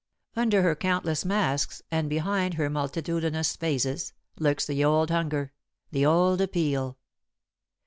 Under her countless masques and behind her multitudinous phases, lurks the old hunger, the old appeal.